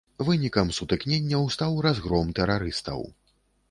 Вынікам сутыкненняў стаў разгром тэрарыстаў.